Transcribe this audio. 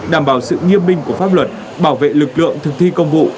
đảm bảo sự nghiêm binh của pháp luật bảo vệ lực lượng thực thi công vụ